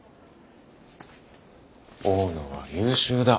大野は優秀だ。